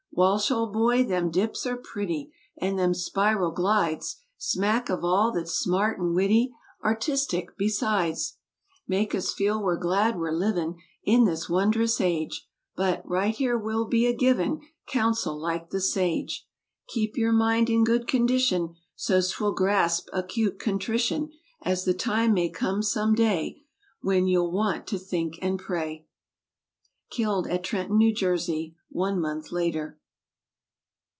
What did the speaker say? Walsh, old boy, them dips are pretty. And them spiral glides Smack of all that's smart and witty ^ Artistic besides; Make us feel we're glad we're livin' In this wondrous age— But, right here, we'll be a givin' Counsel like the sage: Keep ye're mind in good condition So's 'twill grasp acute contrition; As the time may come some day When ye'll want to think an' pray. Killed at Trenton, N. J., one month later.